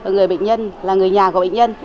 người bệnh nhân là người nhà của bệnh nhân